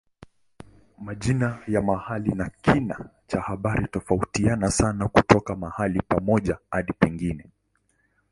Majina ya mahali na kina cha habari hutofautiana sana kutoka mahali pamoja hadi pengine.